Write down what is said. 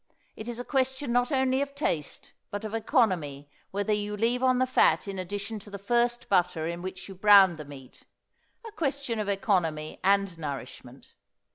It is a question not only of taste but of economy whether you leave on the fat in addition to the first butter in which you browned the meat, a question of economy and nourishment.